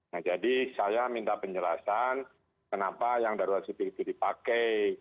nah jadi saya minta penjelasan kenapa yang darurat sipil itu dipakai